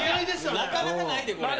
なかなかないでこれ。